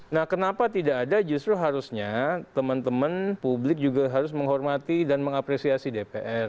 nah kenapa tidak ada justru harusnya teman teman publik juga harus menghormati dan mengapresiasi dpr